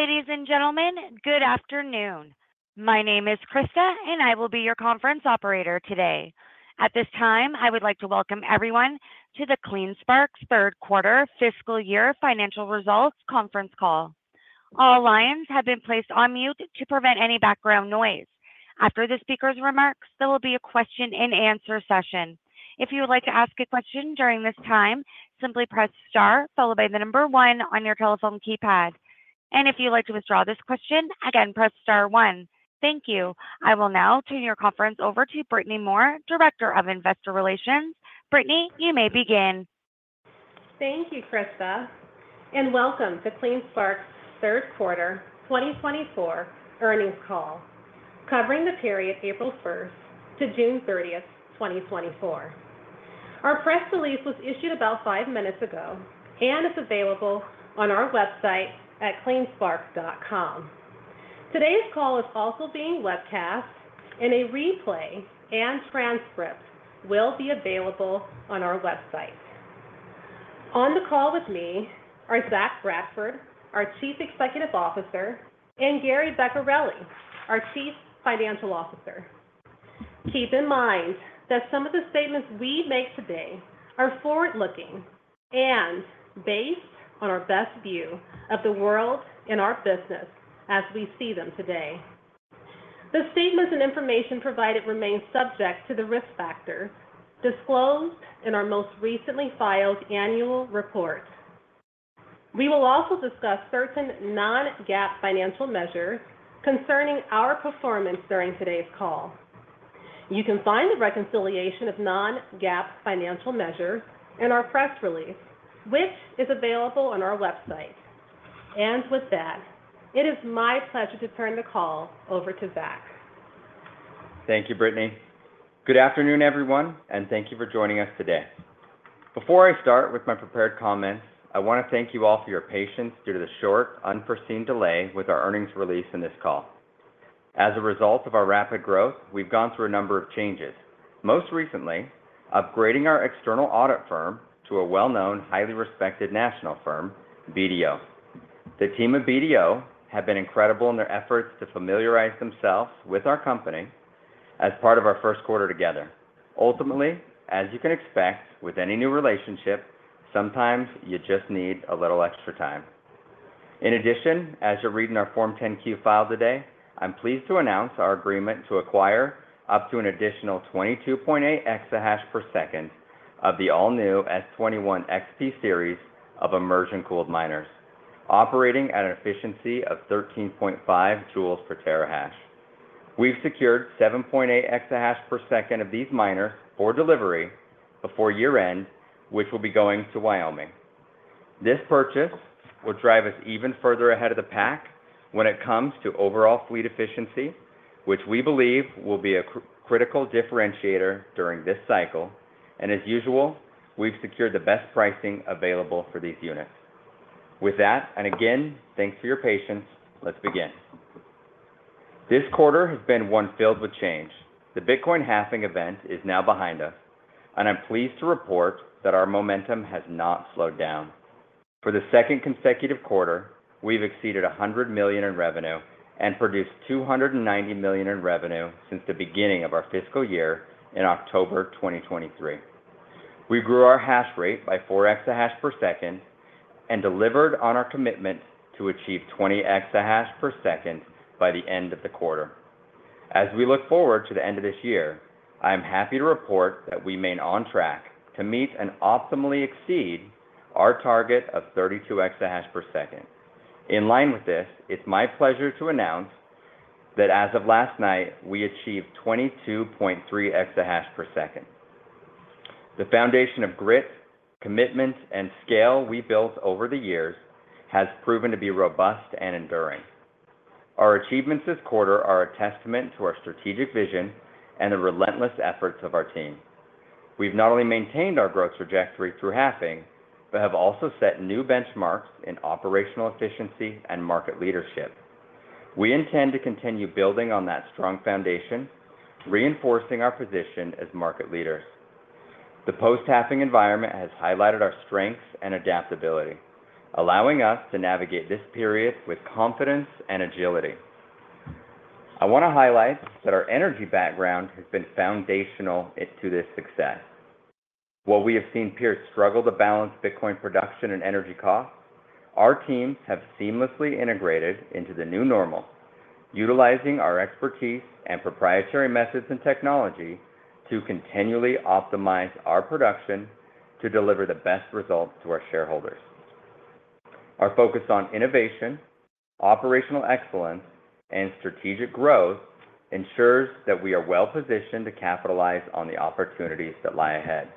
Ladies and gentlemen, good afternoon. My name is Krista, and I will be your conference operator today. At this time, I would like to welcome everyone to CleanSpark's third quarter fiscal year financial results conference call. All lines have been placed on mute to prevent any background noise. After the speaker's remarks, there will be a question and answer session. If you would like to ask a question during this time, simply press star followed by the number one on your telephone keypad. If you'd like to withdraw this question, again, press star one. Thank you. I will now turn the conference over to Brittany Moore, Director of Investor Relations. Brittany, you may begin. Thank you, Krista, and welcome to CleanSpark's third quarter 2024 earnings call, covering the period April 1 to June 30, 2024. Our press release was issued about 5 minutes ago and is available on our website at CleanSpark.com. Today's call is also being webcast, and a replay and transcript will be available on our website. On the call with me are Zach Bradford, our Chief Executive Officer, and Gary Vecchiarelli, our Chief Financial Officer. Keep in mind that some of the statements we make today are forward-looking and based on our best view of the world and our business as we see them today. The statements and information provided remain subject to the risk factors disclosed in our most recently filed annual report. We will also discuss certain non-GAAP financial measures concerning our performance during today's call. You can find the reconciliation of non-GAAP financial measures in our press release, which is available on our website. And with that, it is my pleasure to turn the call over to Zach. Thank you, Brittany. Good afternoon, everyone, and thank you for joining us today. Before I start with my prepared comments, I want to thank you all for your patience due to the short, unforeseen delay with our earnings release in this call. As a result of our rapid growth, we've gone through a number of changes, most recently upgrading our external audit firm to a well-known, highly respected national firm, BDO. The team of BDO have been incredible in their efforts to familiarize themselves with our company as part of our first quarter together. Ultimately, as you can expect with any new relationship, sometimes you just need a little extra time. In addition, as you're reading our Form 10-Q filed today, I'm pleased to announce our agreement to acquire up to an additional 22.8 exahash per second of the all-new S21 XP series of immersion-cooled miners, operating at an efficiency of 13.5 joules per terahash. We've secured 7.8 exahash per second of these miners for delivery before year-end, which will be going to Wyoming. This purchase will drive us even further ahead of the pack when it comes to overall fleet efficiency, which we believe will be a critical differentiator during this cycle, and as usual, we've secured the best pricing available for these units. With that, and again, thanks for your patience, let's begin. This quarter has been one filled with change. The Bitcoin halving event is now behind us, and I'm pleased to report that our momentum has not slowed down. For the second consecutive quarter, we've exceeded $100 million in revenue and produced $290 million in revenue since the beginning of our fiscal year in October 2023. We grew our hash rate by 4 exahash per second and delivered on our commitment to achieve 20 exahash per second by the end of the quarter. As we look forward to the end of this year, I am happy to report that we remain on track to meet and optimally exceed our target of 32 exahash per second. In line with this, it's my pleasure to announce that as of last night, we achieved 22.3 exahash per second. The foundation of grit, commitment, and scale we built over the years has proven to be robust and enduring. Our achievements this quarter are a testament to our strategic vision and the relentless efforts of our team. We've not only maintained our growth trajectory through halving, but have also set new benchmarks in operational efficiency and market leadership. We intend to continue building on that strong foundation, reinforcing our position as market leaders. The post-halving environment has highlighted our strengths and adaptability, allowing us to navigate this period with confidence and agility. I want to highlight that our energy background has been foundational to this success. While we have seen peers struggle to balance Bitcoin production and energy costs, our teams have seamlessly integrated into the new normal, utilizing our expertise and proprietary methods and technology to continually optimize our production to deliver the best results to our shareholders. Our focus on innovation, operational excellence, and strategic growth ensures that we are well positioned to capitalize on the opportunities that lie ahead.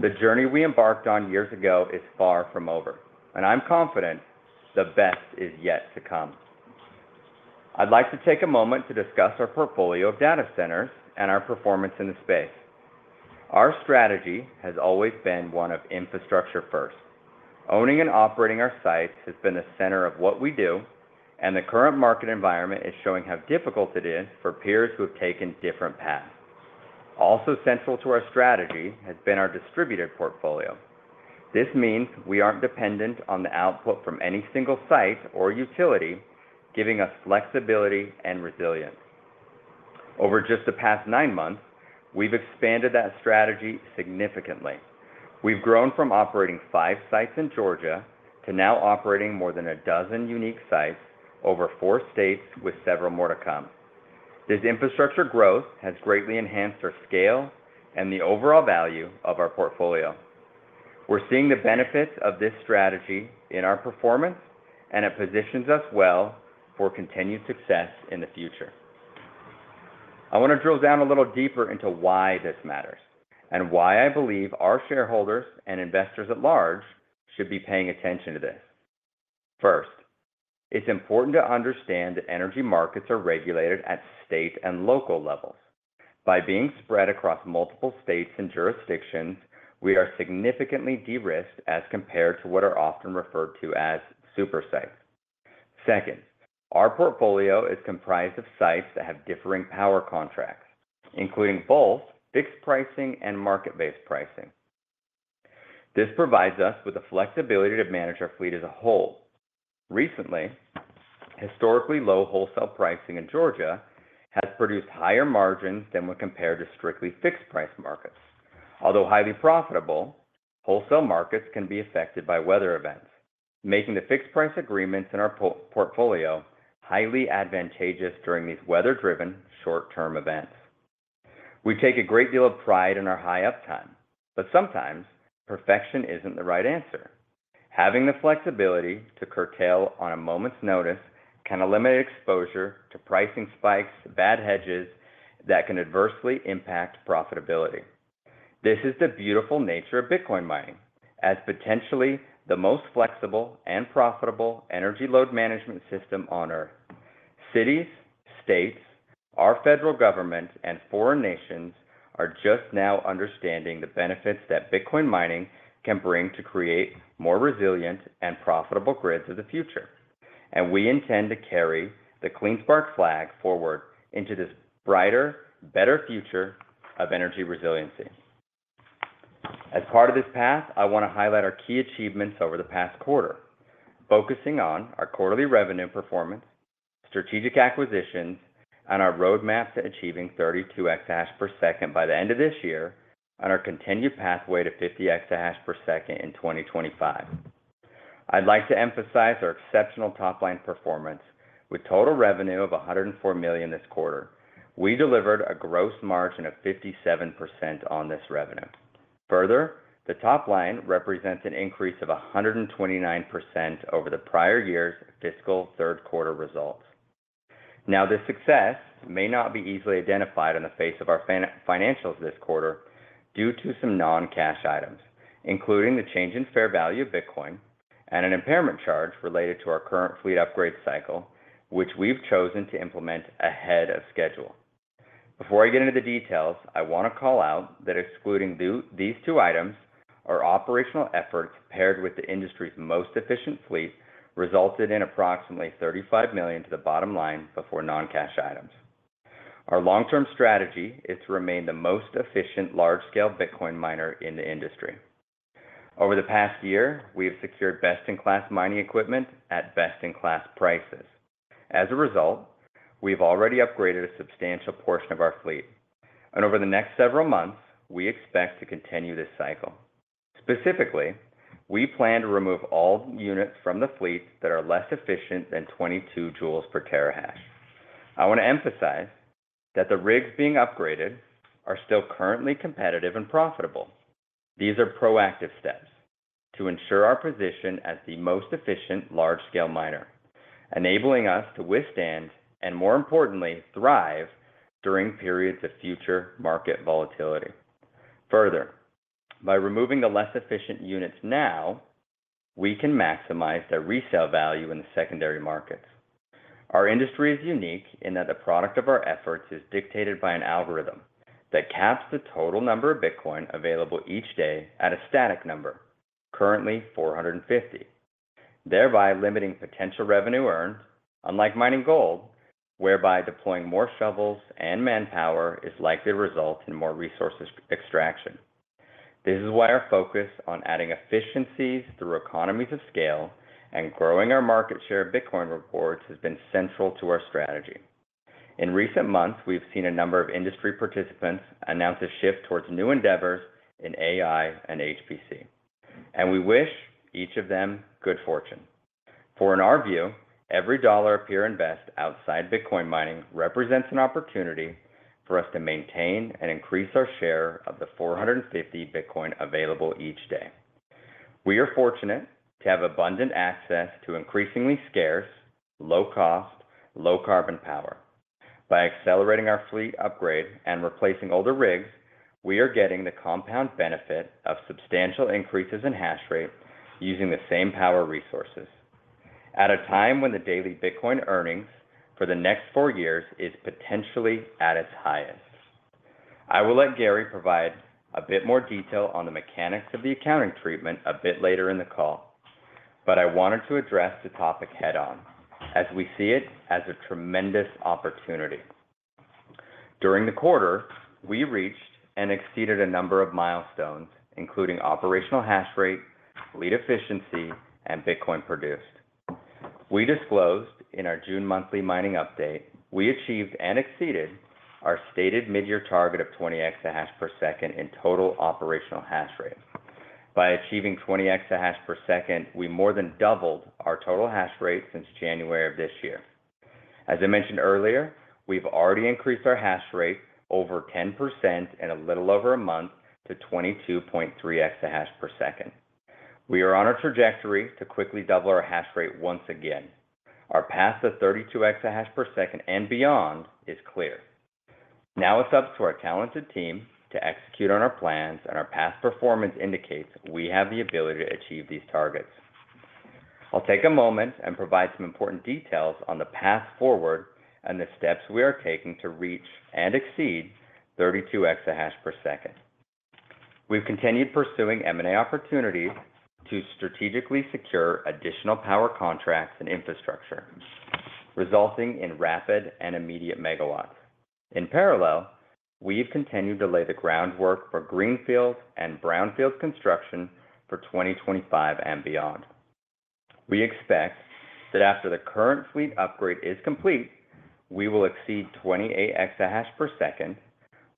The journey we embarked on years ago is far from over, and I'm confident the best is yet to come. I'd like to take a moment to discuss our portfolio of data centers and our performance in the space. Our strategy has always been one of infrastructure first. Owning and operating our sites has been the center of what we do, and the current market environment is showing how difficult it is for peers who have taken different paths... Also central to our strategy has been our diversified portfolio. This means we aren't dependent on the output from any single site or utility, giving us flexibility and resilience. Over just the past 9 months, we've expanded that strategy significantly. We've grown from operating 5 sites in Georgia to now operating more than 12 unique sites over 4 states, with several more to come. This infrastructure growth has greatly enhanced our scale and the overall value of our portfolio. We're seeing the benefits of this strategy in our performance, and it positions us well for continued success in the future. I want to drill down a little deeper into why this matters, and why I believe our shareholders and investors at large should be paying attention to this. First, it's important to understand that energy markets are regulated at state and local levels. By being spread across multiple states and jurisdictions, we are significantly de-risked as compared to what are often referred to as super sites. Second, our portfolio is comprised of sites that have differing power contracts, including both fixed pricing and market-based pricing. This provides us with the flexibility to manage our fleet as a whole. Recently, historically low wholesale pricing in Georgia has produced higher margins than when compared to strictly fixed-price markets. Although highly profitable, wholesale markets can be affected by weather events, making the fixed-price agreements in our portfolio highly advantageous during these weather-driven, short-term events. We take a great deal of pride in our high uptime, but sometimes perfection isn't the right answer. Having the flexibility to curtail on a moment's notice can eliminate exposure to pricing spikes, bad hedges that can adversely impact profitability. This is the beautiful nature of Bitcoin mining. As potentially the most flexible and profitable energy load management system on Earth, cities, states, our federal government, and foreign nations are just now understanding the benefits that Bitcoin mining can bring to create more resilient and profitable grids of the future, and we intend to carry the CleanSpark flag forward into this brighter, better future of energy resiliency. As part of this path, I want to highlight our key achievements over the past quarter, focusing on our quarterly revenue performance, strategic acquisitions, and our roadmap to achieving 32 exahash per second by the end of this year, on our continued pathway to 50 exahash per second in 2025. I'd like to emphasize our exceptional top-line performance. With total revenue of $104 million this quarter, we delivered a gross margin of 57% on this revenue. Further, the top line represents an increase of 129% over the prior year's fiscal third quarter results. Now, this success may not be easily identified on the face of our financials this quarter due to some non-cash items, including the change in fair value of Bitcoin and an impairment charge related to our current fleet upgrade cycle, which we've chosen to implement ahead of schedule. Before I get into the details, I want to call out that excluding these two items, our operational efforts, paired with the industry's most efficient fleet, resulted in approximately $35 million to the bottom line before non-cash items. Our long-term strategy is to remain the most efficient, large-scale Bitcoin miner in the industry. Over the past year, we have secured best-in-class mining equipment at best-in-class prices. As a result, we've already upgraded a substantial portion of our fleet, and over the next several months, we expect to continue this cycle. Specifically, we plan to remove all units from the fleet that are less efficient than 22 joules per terahash. I want to emphasize that the rigs being upgraded are still currently competitive and profitable. These are proactive steps to ensure our position as the most efficient large-scale miner, enabling us to withstand, and more importantly, thrive during periods of future market volatility. Further, by removing the less efficient units now, we can maximize their resale value in the secondary markets. Our industry is unique in that the product of our efforts is dictated by an algorithm that caps the total number of Bitcoin available each day at a static number, currently 450, thereby limiting potential revenue earned, unlike mining gold, whereby deploying more shovels and manpower is likely to result in more resource extraction. This is why our focus on adding efficiencies through economies of scale and growing our market share of Bitcoin rewards has been central to our strategy. In recent months, we've seen a number of industry participants announce a shift towards new endeavors in AI and HPC, and we wish each of them good fortune. For in our view, every dollar a peer invests outside Bitcoin mining represents an opportunity for us to maintain and increase our share of the 450 Bitcoin available each day. We are fortunate to have abundant access to increasingly scarce, low-cost, low-carbon power. By accelerating our fleet upgrade and replacing older rigs, we are getting the compound benefit of substantial increases in hash rate using the same power resources at a time when the daily Bitcoin earnings for the next four years is potentially at its highest. I will let Gary provide a bit more detail on the mechanics of the accounting treatment a bit later in the call, but I wanted to address the topic head-on, as we see it as a tremendous opportunity. During the quarter, we reached and exceeded a number of milestones, including operational hash rate, fleet efficiency, and Bitcoin produced. We disclosed in our June monthly mining update, we achieved and exceeded our stated mid-year target of 20 exahash per second in total operational hash rate. By achieving 20 exahash per second, we more than doubled our total hash rate since January of this year. As I mentioned earlier, we've already increased our hash rate over 10% in a little over a month to 22.3 exahash per second. We are on a trajectory to quickly double our hash rate once again. Our path to 32 exahash per second and beyond is clear. Now it's up to our talented team to execute on our plans, and our past performance indicates we have the ability to achieve these targets. I'll take a moment and provide some important details on the path forward and the steps we are taking to reach and exceed 32 exahash per second. We've continued pursuing M&A opportunities to strategically secure additional power contracts and infrastructure, resulting in rapid and immediate megawatts. In parallel, we've continued to lay the groundwork for greenfield and brownfield construction for 2025 and beyond. We expect that after the current fleet upgrade is complete, we will exceed 28 exahash per second.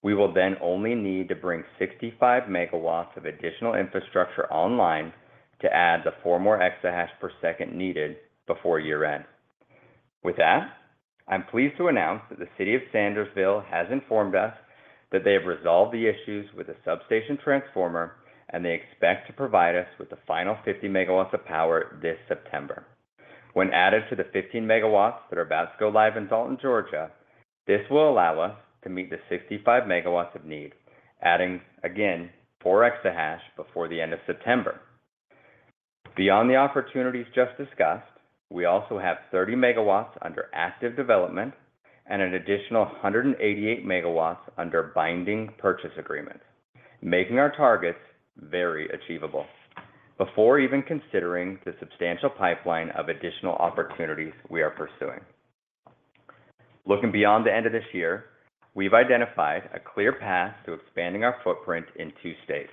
We will then only need to bring 65 MW of additional infrastructure online to add the 4 more exahash per second needed before year-end. With that, I'm pleased to announce that the City of Sandersville has informed us that they have resolved the issues with the substation transformer, and they expect to provide us with the final 50 MW of power this September. When added to the 15 MW that are about to go live in Dalton, Georgia, this will allow us to meet the 65 MW of need, adding, again, 4 exahash before the end of September. Beyond the opportunities just discussed, we also have 30 MW under active development and an additional 188 MW under binding purchase agreements, making our targets very achievable before even considering the substantial pipeline of additional opportunities we are pursuing. Looking beyond the end of this year, we've identified a clear path to expanding our footprint in two states.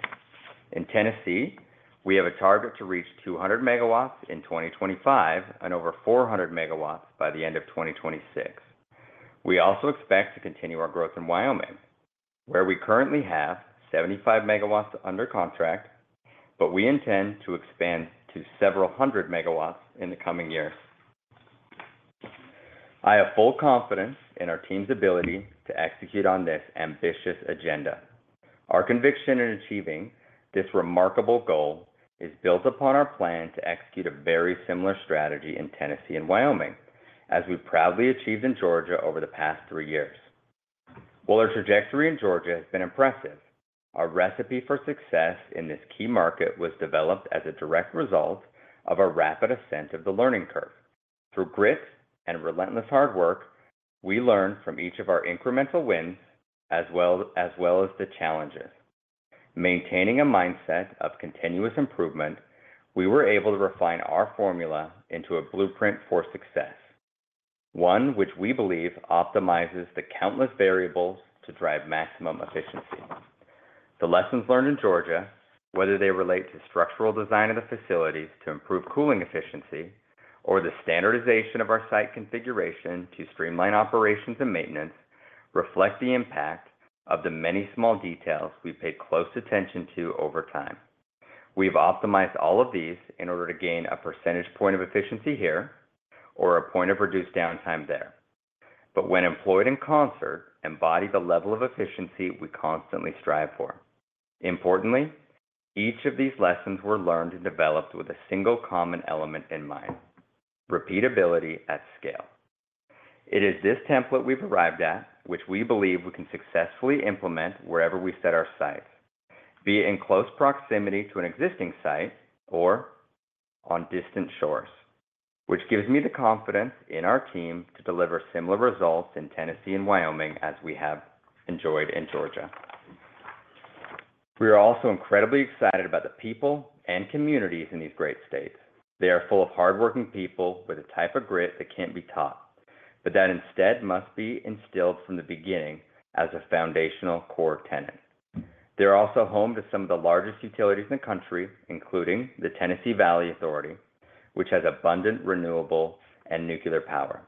In Tennessee, we have a target to reach 200 MW in 2025 and over 400 MW by the end of 2026. We also expect to continue our growth in Wyoming, where we currently have 75 MW under contract, but we intend to expand to several hundred megawatts in the coming years. I have full confidence in our team's ability to execute on this ambitious agenda. Our conviction in achieving this remarkable goal is built upon our plan to execute a very similar strategy in Tennessee and Wyoming, as we've proudly achieved in Georgia over the past three years. While our trajectory in Georgia has been impressive, our recipe for success in this key market was developed as a direct result of a rapid ascent of the learning curve. Through grit and relentless hard work, we learned from each of our incremental wins, as well as the challenges. Maintaining a mindset of continuous improvement, we were able to refine our formula into a blueprint for success, one which we believe optimizes the countless variables to drive maximum efficiency. The lessons learned in Georgia, whether they relate to structural design of the facilities to improve cooling efficiency, or the standardization of our site configuration to streamline operations and maintenance, reflect the impact of the many small details we paid close attention to over time. We've optimized all of these in order to gain a percentage point of efficiency here or a point of reduced downtime there, but when employed in concert, embody the level of efficiency we constantly strive for. Importantly, each of these lessons were learned and developed with a single common element in mind: repeatability at scale. It is this template we've arrived at which we believe we can successfully implement wherever we set our sights, be it in close proximity to an existing site or on distant shores, which gives me the confidence in our team to deliver similar results in Tennessee and Wyoming as we have enjoyed in Georgia. We are also incredibly excited about the people and communities in these great states. They are full of hardworking people with a type of grit that can't be taught, but that instead must be instilled from the beginning as a foundational core tenet. They're also home to some of the largest utilities in the country, including the Tennessee Valley Authority, which has abundant, renewable, and nuclear power.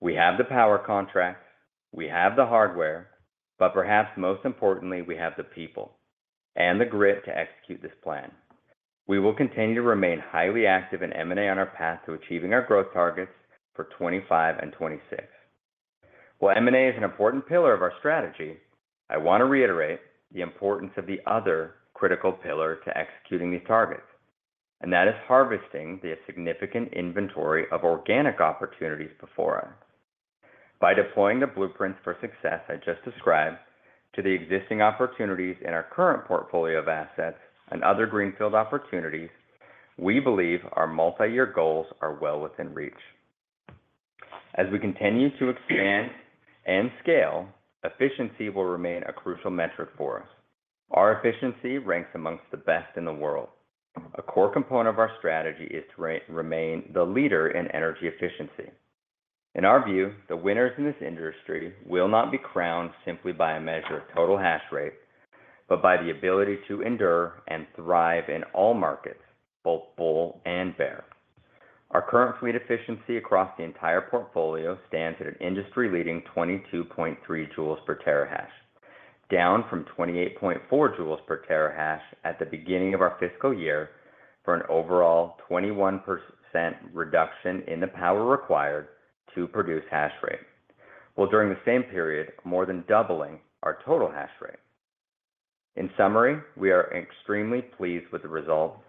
We have the power contract, we have the hardware, but perhaps most importantly, we have the people and the grit to execute this plan. We will continue to remain highly active in M&A on our path to achieving our growth targets for 2025 and 2026. While M&A is an important pillar of our strategy, I want to reiterate the importance of the other critical pillar to executing these targets, and that is harvesting the significant inventory of organic opportunities before us. By deploying the blueprints for success I just described to the existing opportunities in our current portfolio of assets and other greenfield opportunities, we believe our multi-year goals are well within reach. As we continue to expand and scale, efficiency will remain a crucial metric for us. Our efficiency ranks amongst the best in the world. A core component of our strategy is to remain the leader in energy efficiency. In our view, the winners in this industry will not be crowned simply by a measure of total hash rate, but by the ability to endure and thrive in all markets, both bull and bear. Our current fleet efficiency across the entire portfolio stands at an industry-leading 22.3 joules per terahash, down from 28.4 joules per terahash at the beginning of our fiscal year, for an overall 21% reduction in the power required to produce hash rate, while during the same period, more than doubling our total hash rate. In summary, we are extremely pleased with the results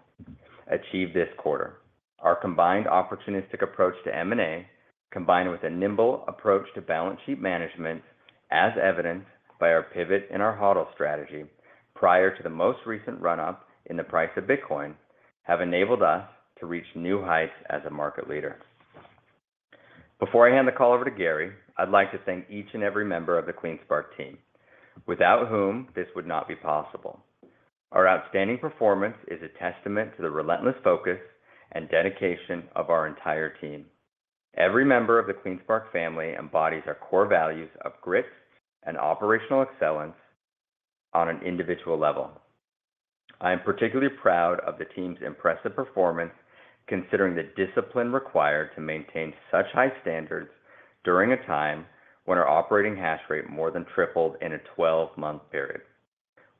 achieved this quarter. Our combined opportunistic approach to M&A, combined with a nimble approach to balance sheet management, as evidenced by our pivot in our HODL strategy prior to the most recent run-up in the price of Bitcoin, have enabled us to reach new heights as a market leader. Before I hand the call over to Gary, I'd like to thank each and every member of the CleanSpark team, without whom this would not be possible. Our outstanding performance is a testament to the relentless focus and dedication of our entire team. Every member of the CleanSpark family embodies our core values of grit and operational excellence on an individual level. I am particularly proud of the team's impressive performance, considering the discipline required to maintain such high standards during a time when our operating hash rate more than tripled in a 12-month period.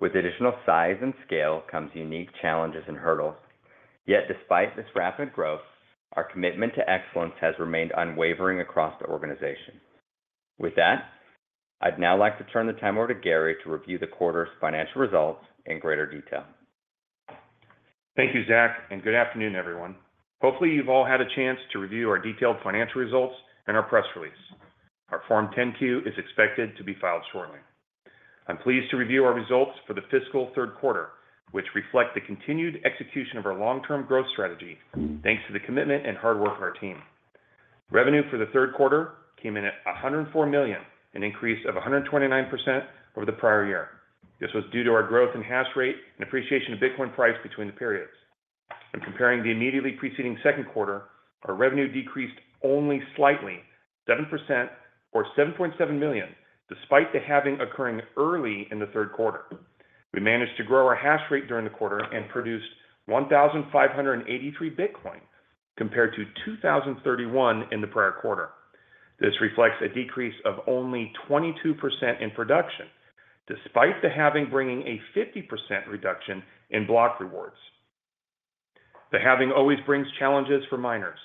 With additional size and scale comes unique challenges and hurdles. Yet despite this rapid growth, our commitment to excellence has remained unwavering across the organization. With that, I'd now like to turn the time over to Gary to review the quarter's financial results in greater detail. Thank you, Zach, and good afternoon, everyone. Hopefully, you've all had a chance to review our detailed financial results and our press release. Our Form 10-Q is expected to be filed shortly. I'm pleased to review our results for the fiscal third quarter, which reflect the continued execution of our long-term growth strategy, thanks to the commitment and hard work of our team. Revenue for the third quarter came in at $104 million, an increase of 129% over the prior year. This was due to our growth in hash rate and appreciation of Bitcoin price between the periods. In comparing the immediately preceding second quarter, our revenue decreased only slightly, 7% or $7.7 million, despite the halving occurring early in the third quarter. We managed to grow our hash rate during the quarter and produced 1,583 Bitcoin, compared to 2,031 in the prior quarter. This reflects a decrease of only 22% in production, despite the halving bringing a 50% reduction in block rewards. The halving always brings challenges for miners.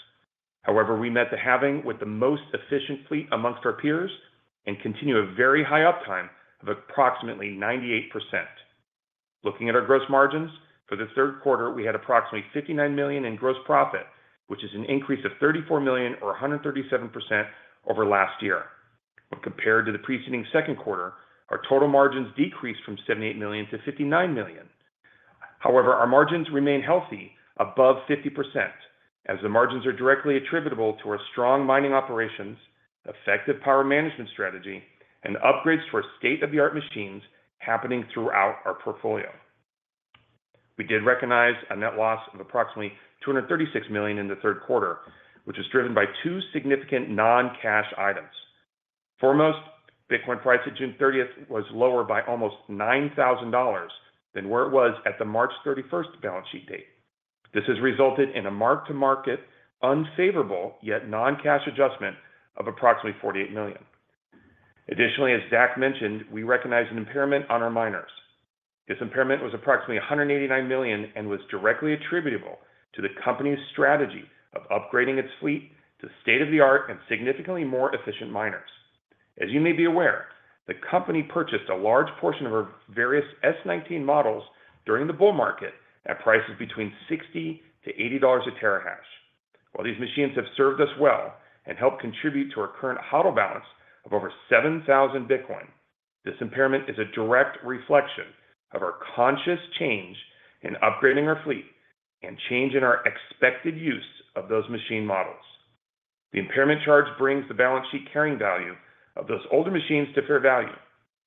However, we met the halving with the most efficient fleet amongst our peers and continue a very high uptime of approximately 98%. Looking at our gross margins, for the third quarter, we had approximately $59 million in gross profit, which is an increase of $34 million or 137% over last year. When compared to the preceding second quarter, our total margins decreased from $78 million to $59 million. However, our margins remain healthy, above 50%, as the margins are directly attributable to our strong mining operations, effective power management strategy, and upgrades to our state-of-the-art machines happening throughout our portfolio. We did recognize a net loss of approximately $236 million in the third quarter, which is driven by two significant non-cash items. Foremost, Bitcoin price at June 30th was lower by almost $9,000 than where it was at the March 31st balance sheet date. This has resulted in a mark-to-market, unfavorable, yet non-cash adjustment of approximately $48 million. Additionally, as Zach mentioned, we recognized an impairment on our miners. This impairment was approximately $189 million and was directly attributable to the company's strategy of upgrading its fleet to state-of-the-art and significantly more efficient miners. As you may be aware, the company purchased a large portion of our various S19 models during the bull market at prices between $60-$80 a terahash. While these machines have served us well and helped contribute to our current HODL balance of over 7,000 Bitcoin, this impairment is a direct reflection of our conscious change in upgrading our fleet and change in our expected use of those machine models. The impairment charge brings the balance sheet carrying value of those older machines to fair value,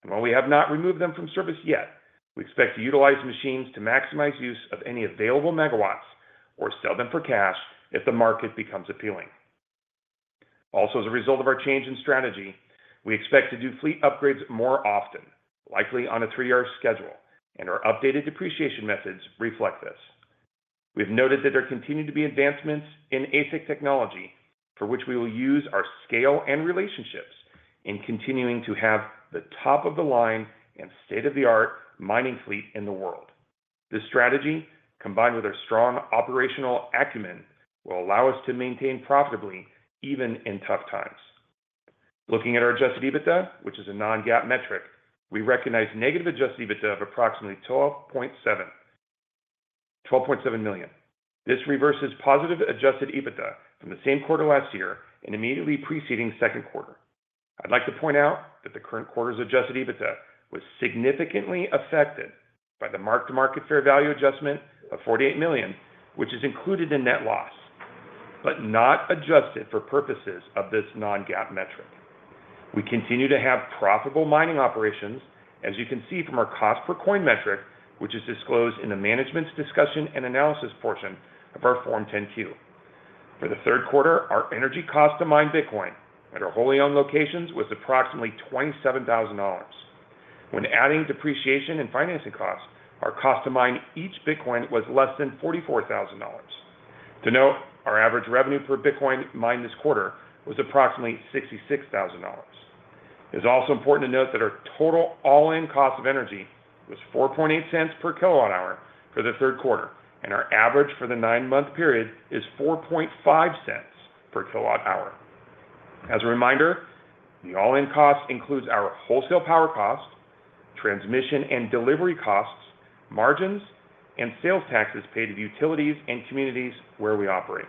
and while we have not removed them from service yet, we expect to utilize the machines to maximize use of any available megawatts or sell them for cash if the market becomes appealing. Also, as a result of our change in strategy, we expect to do fleet upgrades more often, likely on a three-year schedule, and our updated depreciation methods reflect this. We've noted that there continue to be advancements in ASIC technology, for which we will use our scale and relationships in continuing to have the top-of-the-line and state-of-the-art mining fleet in the world. This strategy, combined with our strong operational acumen, will allow us to maintain profitably even in tough times. Looking at our Adjusted EBITDA, which is a non-GAAP metric, we recognize negative Adjusted EBITDA of approximately $12.7 million. This reverses positive Adjusted EBITDA from the same quarter last year and immediately preceding second quarter. I'd like to point out that the current quarter's Adjusted EBITDA was significantly affected by the mark-to-market fair value adjustment of $48 million, which is included in net loss, but not adjusted for purposes of this non-GAAP metric. We continue to have profitable mining operations, as you can see from our cost per coin metric, which is disclosed in the Management's Discussion and Analysis portion of our Form 10-Q. For the third quarter, our energy cost to mine Bitcoin at our wholly-owned locations was approximately $27,000. When adding depreciation and financing costs, our cost to mine each Bitcoin was less than $44,000. To note, our average revenue per Bitcoin mined this quarter was approximately $66,000. It's also important to note that our total all-in cost of energy was $0.048 per kWh for the third quarter, and our average for the nine-month period is $0.045 per kWh. As a reminder, the all-in cost includes our wholesale power cost, transmission and delivery costs, margins, and sales taxes paid to utilities and communities where we operate.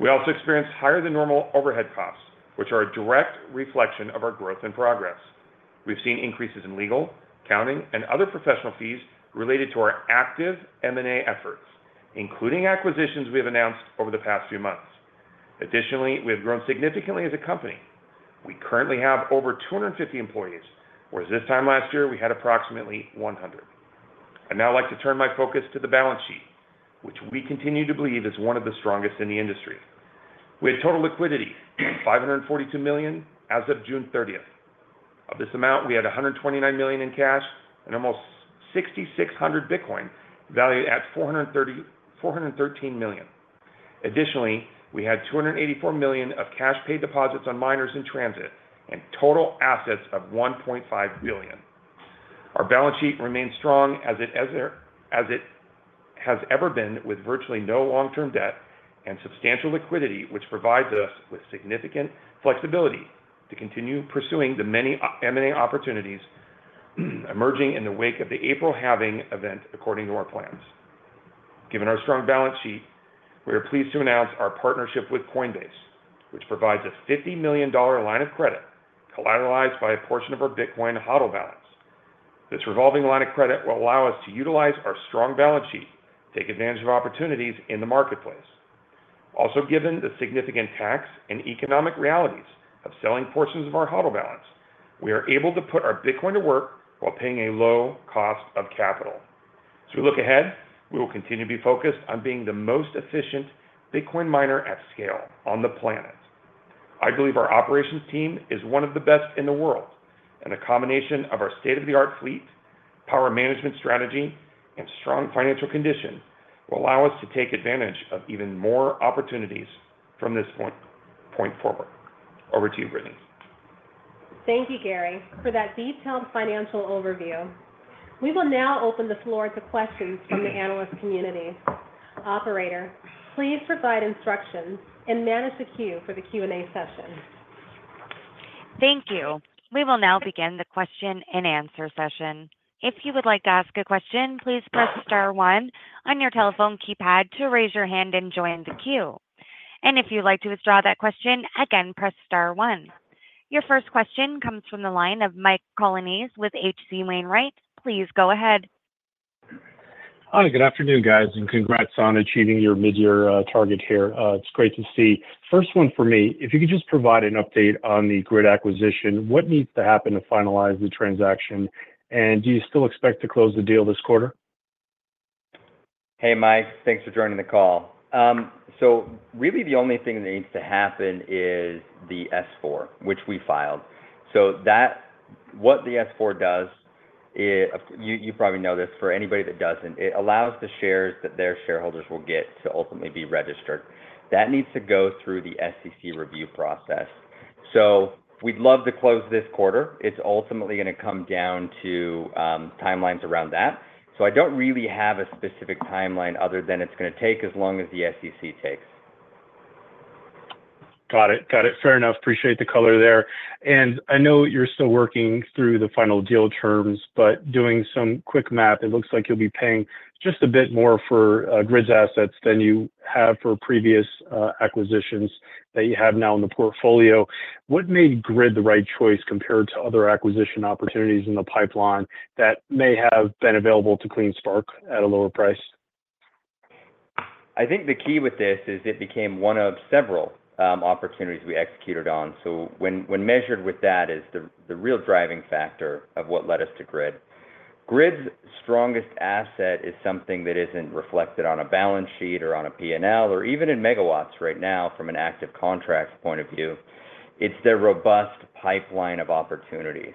We also experienced higher-than-normal overhead costs, which are a direct reflection of our growth and progress. We've seen increases in legal, accounting, and other professional fees related to our active M&A efforts, including acquisitions we have announced over the past few months. Additionally, we have grown significantly as a company. We currently have over 250 employees, whereas this time last year we had approximately 100. I'd now like to turn my focus to the balance sheet, which we continue to believe is one of the strongest in the industry. We had total liquidity $542 million as of June 30. Of this amount, we had $129 million in cash and almost 6,600 Bitcoin, valued at $413 million. Additionally, we had $284 million of cash-paid deposits on miners in transit and total assets of $1.5 billion. Our balance sheet remains strong as it has ever been, with virtually no long-term debt and substantial liquidity, which provides us with significant flexibility to continue pursuing the many M&A opportunities emerging in the wake of the April halving event according to our plans. Given our strong balance sheet, we are pleased to announce our partnership with Coinbase, which provides a $50 million line of credit collateralized by a portion of our Bitcoin HODL balance. This revolving line of credit will allow us to utilize our strong balance sheet, take advantage of opportunities in the marketplace. Also, given the significant tax and economic realities of selling portions of our HODL balance, we are able to put our Bitcoin to work while paying a low cost of capital. As we look ahead, we will continue to be focused on being the most efficient Bitcoin miner at scale on the planet. I believe our operations team is one of the best in the world, and a combination of our state-of-the-art fleet, power management strategy, and strong financial condition will allow us to take advantage of even more opportunities from this point forward. Over to you, Brittany. Thank you, Gary, for that detailed financial overview. We will now open the floor to questions from the analyst community. Operator, please provide instructions and manage the queue for the Q&A session. Thank you. We will now begin the question-and-answer session. If you would like to ask a question, please press star one on your telephone keypad to raise your hand and join the queue. And if you'd like to withdraw that question, again, press star one. Your first question comes from the line of Mike Colonnese with H.C. Wainwright. Please go ahead. Good afternoon, guys, and congrats on achieving your midyear target here. It's great to see. First one for me, if you could just provide an update on the GRIID acquisition. What needs to happen to finalize the transaction, and do you still expect to close the deal this quarter? Hey, Mike, thanks for joining the call. So really the only thing that needs to happen is the S-4, which we filed. So that, what the S-4 does is... You probably know this. For anybody that doesn't, it allows the shares that their shareholders will get to ultimately be registered. That needs to go through the SEC review process. So we'd love to close this quarter. It's ultimately gonna come down to timelines around that. So I don't really have a specific timeline other than it's gonna take as long as the SEC takes. Got it. Got it. Fair enough. Appreciate the color there. And I know you're still working through the final deal terms, but doing some quick math, it looks like you'll be paying just a bit more for, GRIID's assets than you have for previous, acquisitions that you have now in the portfolio. What made GRIID the right choice compared to other acquisition opportunities in the pipeline that may have been available to CleanSpark at a lower price? I think the key with this is it became one of several opportunities we executed on. So when measured with that is the real driving factor of what led us to GRIID. GRIID's strongest asset is something that isn't reflected on a balance sheet or on a P&L, or even in megawatts right now from an active contracts point of view. It's their robust pipeline of opportunities.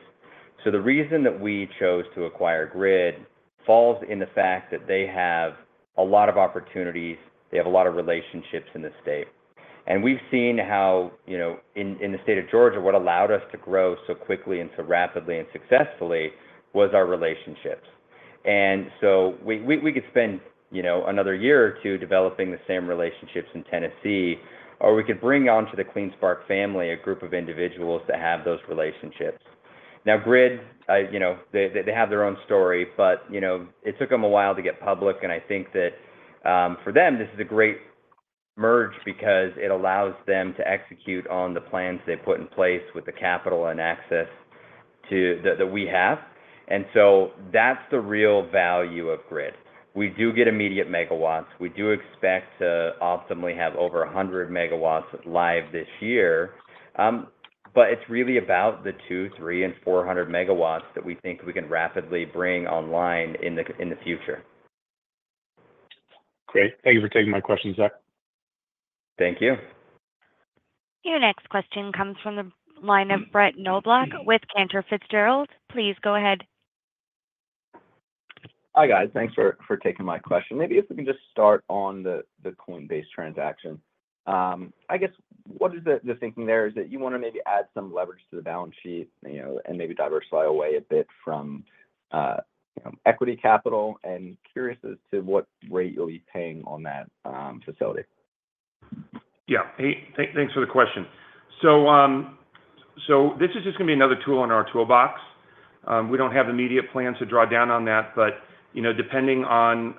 So the reason that we chose to acquire GRIID falls in the fact that they have a lot of opportunities, they have a lot of relationships in the state. And we've seen how, you know, in the state of Georgia, what allowed us to grow so quickly and so rapidly and successfully was our relationships. And so we could spend, you know, another year or two developing the same relationships in Tennessee, or we could bring onto the CleanSpark family a group of individuals that have those relationships. Now, GRIID, you know, they have their own story, but, you know, it took them a while to get public, and I think that, for them, this is a great merger because it allows them to execute on the plans they put in place with the capital and access to that we have. And so that's the real value of GRIID. We do get immediate megawatts. We do expect to optimally have over 100 MW live this year. But it's really about the 200, 300, and 400 MW that we think we can rapidly bring online in the future. Great. Thank you for taking my question, Zach. Thank you. Your next question comes from the line of Brett Knoblauch with Cantor Fitzgerald. Please go ahead. Hi, guys. Thanks for taking my question. Maybe if we can just start on the Coinbase transaction. I guess, what is the thinking there, is that you wanna maybe add some leverage to the balance sheet, you know, and maybe diversify away a bit from, you know, equity capital? And curious as to what rate you'll be paying on that facility. Yeah. Hey, thanks for the question. So, this is just gonna be another tool in our toolbox. We don't have immediate plans to draw down on that, but, you know, depending on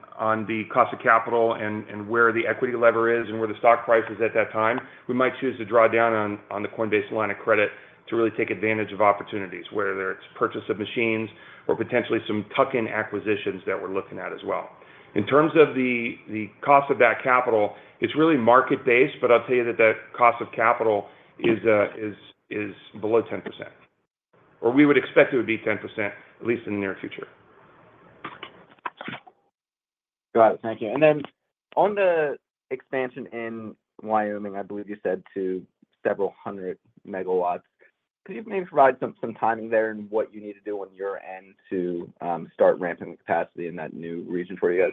the cost of capital and where the equity lever is and where the stock price is at that time, we might choose to draw down on the Coinbase line of credit to really take advantage of opportunities, whether it's purchase of machines or potentially some tuck-in acquisitions that we're looking at as well. In terms of the cost of that capital, it's really market-based, but I'll tell you that the cost of capital is below 10%, or we would expect it would be 10%, at least in the near future. Got it. Thank you. And then on the expansion in Wyoming, I believe you said to several hundred megawatts, could you maybe provide some timing there and what you need to do on your end to start ramping the capacity in that new region for you guys?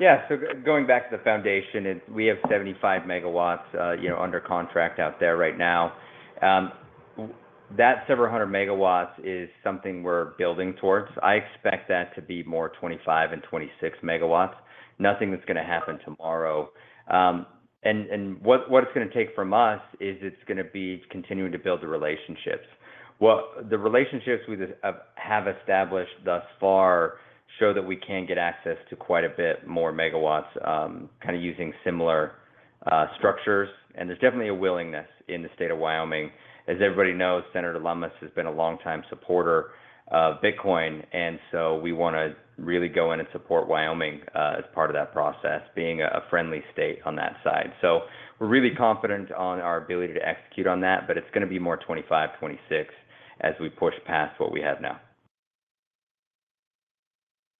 Yeah. So going back to the foundation, is we have 75 MW, you know, under contract out there right now. That several hundred megawatts is something we're building towards. I expect that to be more 25 and 26 MW, nothing that's gonna happen tomorrow. And what it's gonna take from us is it's gonna be continuing to build the relationships. Well, the relationships we just have established thus far show that we can get access to quite a bit more megawatts, kinda using similar structures, and there's definitely a willingness in the state of Wyoming. As everybody knows, Senator Lummis has been a longtime supporter of Bitcoin, and so we wanna really go in and support Wyoming, as part of that process, being a friendly state on that side. So we're really confident on our ability to execute on that, but it's gonna be more 2025, 2026 as we push past what we have now.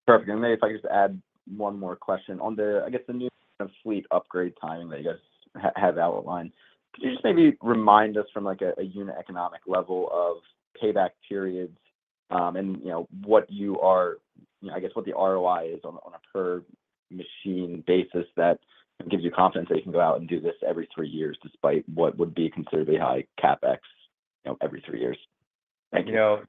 Perfect. And maybe if I could just add one more question on the, I guess, the new kind of fleet upgrade timing that you guys have outlined. Could you just maybe remind us from, like, a unit economic level of payback periods, and, you know, what I guess, what the ROI is on a per machine basis that gives you confidence that you can go out and do this every three years, despite what would be considerably high CapEx, you know, every three years? Thank you. You know,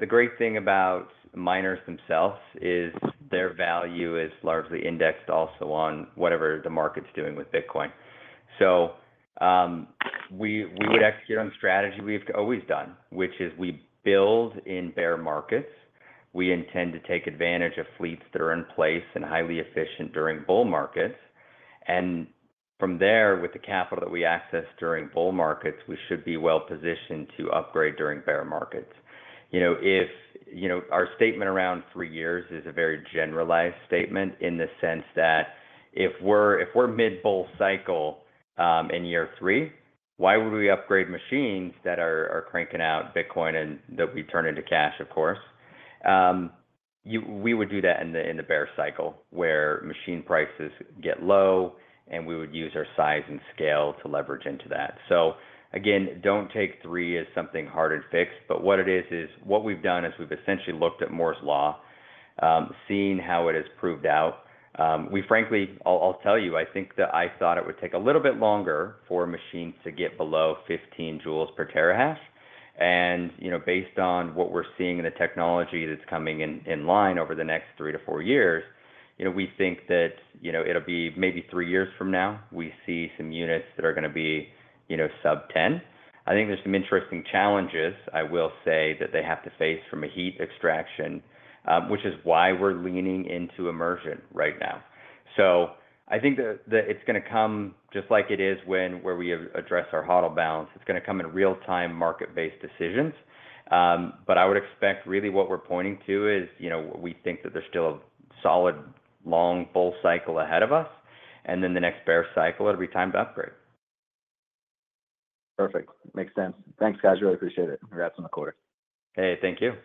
the great thing about miners themselves is their value is largely indexed also on whatever the market's doing with Bitcoin. So, we would execute on the strategy we've always done, which is we build in bear markets. We intend to take advantage of fleets that are in place and highly efficient during bull markets. And from there, with the capital that we access during bull markets, we should be well-positioned to upgrade during bear markets. You know, our statement around three years is a very generalized statement in the sense that if we're mid-bull cycle in year three, why would we upgrade machines that are cranking out Bitcoin and that we turn into cash, of course? We would do that in the bear cycle, where machine prices get low, and we would use our size and scale to leverage into that. So again, don't take 3 as something hard and fixed, but what it is, is what we've done is we've essentially looked at Moore's Law, seen how it has proved out. We frankly, I'll tell you, I think that I thought it would take a little bit longer for a machine to get below 15 joules per terahash. You know, based on what we're seeing in the technology that's coming online over the next 3-4 years, you know, we think that, you know, it'll be maybe 3 years from now, we see some units that are gonna be, you know, sub-10. I think there's some interesting challenges, I will say, that they have to face from a heat extraction, which is why we're leaning into immersion right now. So I think that, that it's gonna come just like it is when we address our HODL bounds. It's gonna come in real-time, market-based decisions. But I would expect, really, what we're pointing to is, you know, we think that there's still a solid, long bull cycle ahead of us, and then the next bear cycle, it'll be time to upgrade. Perfect. Makes sense. Thanks, guys. Really appreciate it. Congrats on the quarter. Hey, thank you.